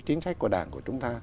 chính sách của đảng của chúng ta